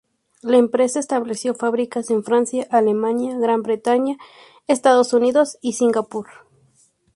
La empresa estableció fábricas en Francia, Alemania, Gran Bretaña, Estados Unidos y Singapur.